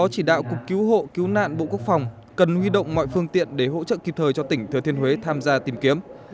cứu hộ cứu nạn bộ quốc phòng cần huy động mọi phương tiện để hỗ trợ kịp thời cho tỉnh thừa thiên huế tham gia tìm kiếm